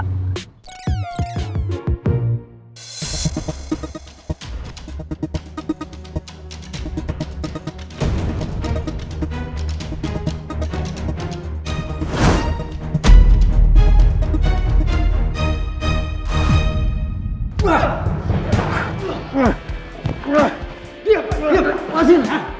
sampai jumpa di video selanjutnya